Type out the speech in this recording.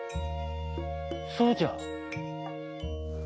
そうじゃ。